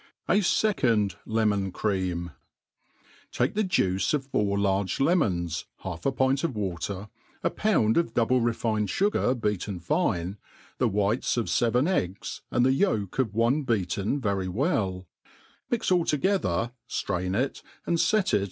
A fecond Lemon Cream^ TAKE the juice of four large lemons, half a pint of water^ a pound of double* refined fugar beaten fine, the whites of ky&x egg?, and the yolk of one beaten very well, mix all together^ ^ flrain it, and fet it.